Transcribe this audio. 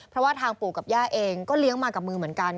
เพราะว่าทางปู่กับย่าเองก็เลี้ยงมากับมือเหมือนกัน